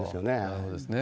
なるほどですね。